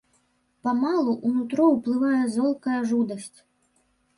Памалу ў нутро ўплывае золкая жудасць.